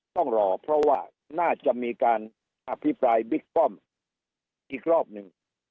ต้องรอเพราะว่าหน้าจะมีการอภีร์ปลายบริปป้อมอีกรอบนึง